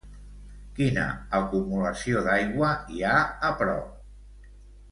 Quina acumulació d'aigua hi ha a prop?